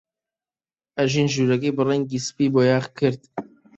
ئەژین ژوورەکەی بە ڕەنگی سپی بۆیاغ کرد.